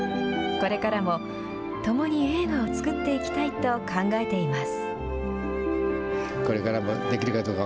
これからも共に映画を作っていきたいと考えています。